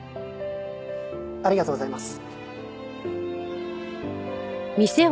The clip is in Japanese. ありがとうございます。